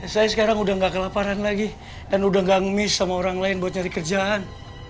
saya sekarang udah gak kelaparan lagi dan udah gak ngemis sama orang lain buat nyari kerjaan